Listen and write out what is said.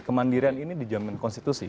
kemandirian ini dijamin konstitusi